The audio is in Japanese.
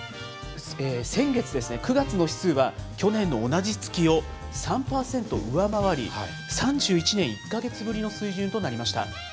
先月・９月の指数は、去年の同じ月を３％上回り、３１年１か月ぶりの水準となりました。